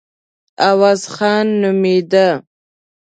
عوض خان نومېده.